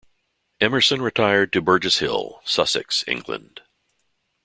Emerson retired to Burgess Hill, Sussex, England.